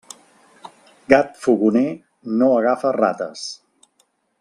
Gat fogoner no agafa rates.